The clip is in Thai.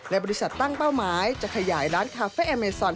และบริษัทตั้งเป้าหมายจะขยายร้านคาเฟ่อเมซอน